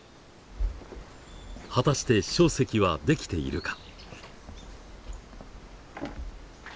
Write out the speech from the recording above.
果たして硝石は出来ているか。